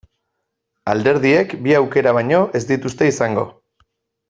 Alderdiek bi aukera baino ez dituzte izango.